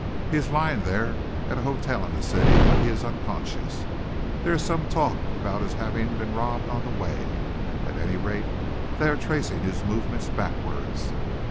He is lying there at a hotel in the city, but he is unconscious. There is some talk about his having been robbed on the way. At any rate, they are tracing his movements backwards.